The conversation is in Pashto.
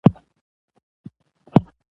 سوله د پرمختګ او سوکالۍ اصلي شرط دی